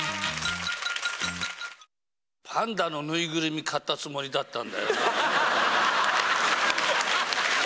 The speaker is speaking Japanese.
パンダの縫いぐるみ買ったつもりだったんだよな。